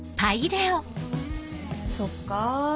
そっか。